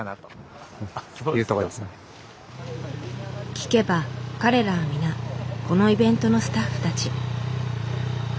聞けば彼らは皆このイベントのスタッフたち。